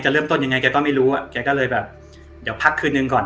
เริ่มต้นยังไงแกก็ไม่รู้อ่ะแกก็เลยแบบเดี๋ยวพักคืนหนึ่งก่อน